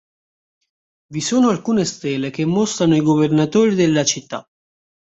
Vi sono alcune stele che mostrano i governatori della città.